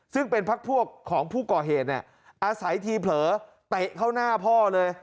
ซึ่งเป็นพักพวกของผู้ก่อเหตุเนี่ยอาศัยทีเผลอเตะเข้าหน้าพ่อเลย